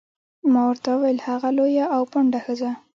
ما ورته وویل: هغه لویه او پنډه ښځه.